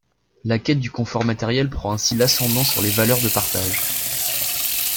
La quête du confort matériel prend ainsi l'ascendant sur les valeurs de partage.